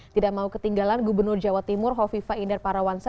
tidak mau ketinggalan gubernur jawa timur hovifa inder parawansa